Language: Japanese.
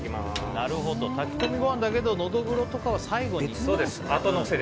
なるほど、炊き込みご飯だけどノドグロは最後に。